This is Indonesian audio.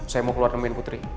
saya mau keluar nemenin putri